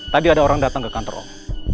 tadi ada orang datang ke kantor off